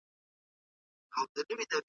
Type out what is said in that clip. حقوقي قوانین باید د پانګوالو ملاتړ وکړي.